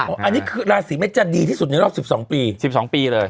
อันนี้คือราศีเมษจะดีที่สุดในรอบ๑๒ปี๑๒ปีเลย